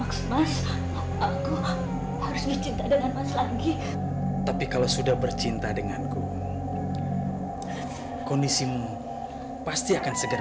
harus dicinta dengan mas lagi tapi kalau sudah bercinta denganku kondisi mu pasti akan segar